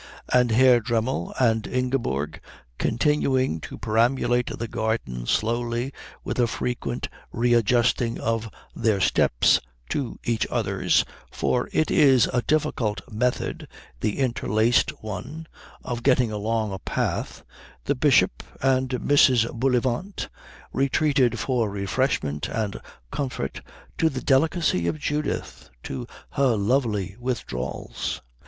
And Herr Dremmel and Ingeborg continuing to perambulate the garden slowly, with a frequent readjusting of their steps to each other's for it is a difficult method, the interlaced one, of getting along a path the Bishop and Mrs. Bullivant retreated for refreshment and comfort to the delicacy of Judith, to her lovely withdrawals.